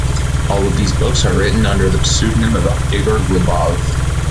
All of these books are written under the pseudonym of Igor Glebov.